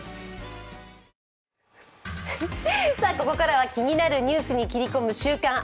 ここからは気になるニュースに斬り込む「週刊！